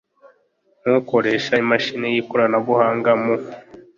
nk ukoresha imashini y ikoranabuhanga mu